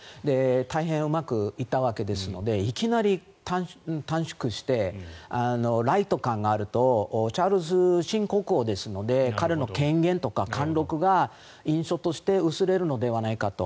大変うまくいったわけですのでいきなり短縮してライト感があるとチャールズ新国王ですので彼の権限とか貫禄が印象として薄れるのではないかと。